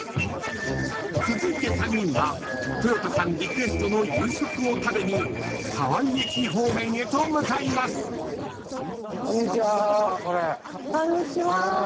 ［続いて３人はとよたさんリクエストの夕食を食べに沢井駅方面へと向かいます］